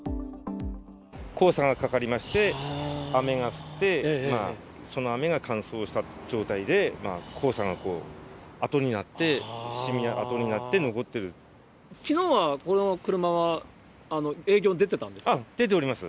黄砂がかかりまして、雨が降って、その雨が乾燥した状態で、黄砂がこう、跡になって、きのうはこの車は営業に出て出ております。